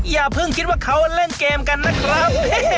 อย่าเพิ่งคิดว่าเขาเล่นเกมกันนะครับ